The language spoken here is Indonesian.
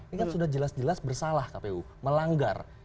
ini kan sudah jelas jelas bersalah kpu melanggar